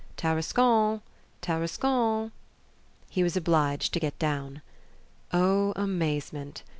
"Tarascon! Tarascon!" He was obliged to get down. O amazement!